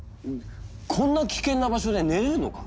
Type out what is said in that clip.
こんな危険な場所で寝れるのか？